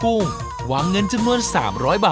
เร็วเร็วเร็วเร็วเร็วเร็ว